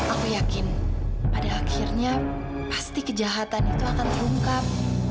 aku yakin pada akhirnya pasti kejahatan itu akan terungkap